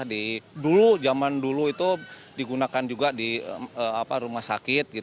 di dulu zaman dulu itu digunakan juga di rumah sakit